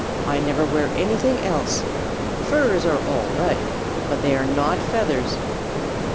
I never wear anything else. Furs are all right, but they are not feathers."